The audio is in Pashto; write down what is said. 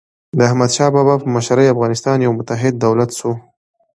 د احمدشاه بابا په مشرۍ افغانستان یو متحد دولت سو.